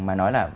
mà nói là